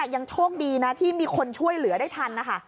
ยังโชคดีนะที่มีคนช่วยเหลือได้ทันนะคะ